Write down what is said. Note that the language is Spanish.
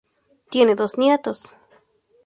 Tiene dos nietos.